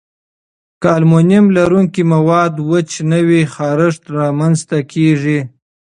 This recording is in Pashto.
که المونیم لرونکي مواد وچ نه وي، خارښت رامنځته کېږي.